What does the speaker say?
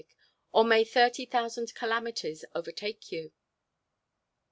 —or may thirty thousand calamities overtake you!"